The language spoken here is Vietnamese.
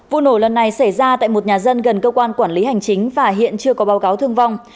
vụ nổ lần này xảy ra tại một nhà dân gần cơ quan quản lý hành chính và hiện chưa có báo cáo thương vong